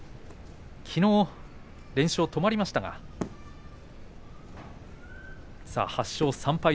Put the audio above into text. きのう連勝が止まりましたが８勝３敗